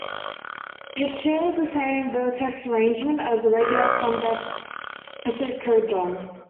It shares the same vertex arrangement as the regular convex icosahedron.